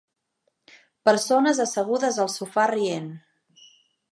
Persones assegudes al sofà rient.